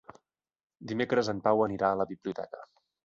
Dimecres en Pau anirà a la biblioteca.